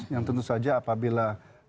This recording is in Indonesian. yang tentu saja apabila